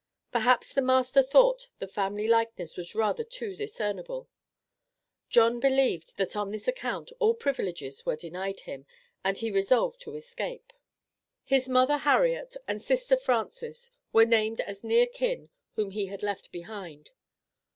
Perhaps the master thought the family likeness was rather too discernible. John believed that on this account all privileges were denied him, and he resolved to escape. His mother, Harriet, and sister, Frances, were named as near kin whom he had left behind.